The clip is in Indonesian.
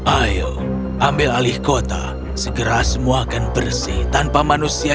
ayo ambil alih kota segera semua akan bersih tanpa manusia